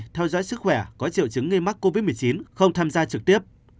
theo dõi sức khỏe có triệu chứng nghi mắc covid một mươi chín không tham gia trực tiếp